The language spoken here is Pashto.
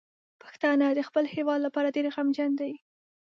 پښتانه د خپل هیواد لپاره ډیر غمجن دي.